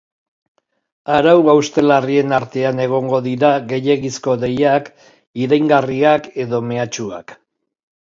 Arau hauste larrien artean egongo dira gehiegizko deiak, iraingarriak edo mehatxuak.